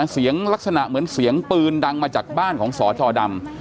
เสียงลักษณะเหมือนเสียงปืนดังมาจากบ้านของสจดำ